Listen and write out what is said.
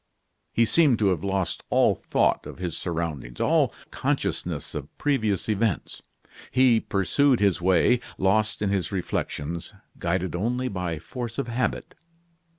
He seemed to have lost all thought of his surroundings all consciousness of previous events. He pursued his way, lost in his reflections, guided only by force of habit.